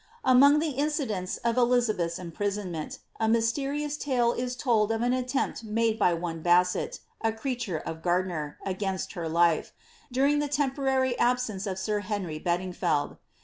' Among the incidents of Elizabeth's imprisonment, a mystenoas tale u told of an attempt made by one Basset, a creature of Gardiner, BgBJnat her life, during the temporary absence of sir Henry Bedingfeld.